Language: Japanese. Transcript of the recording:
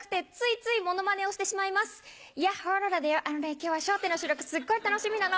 今日は『笑点』の収録すっごい楽しみなの。